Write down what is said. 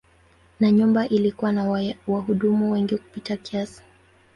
Na nyumba ilikuwa na wahudumu wengi kupita kiasi.